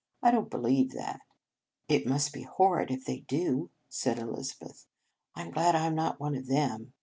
I don t believe that." "It must be horrid, if they do," said Elizabeth. " I m glad I m not one of them.